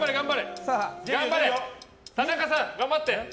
田中さん、頑張って！